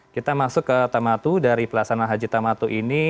kita masuk ke tama to dari pelaksanaan haji tama to ini